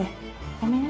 ごめんね。